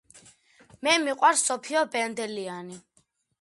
მე მიყვარს სოფიო ბენდელიანი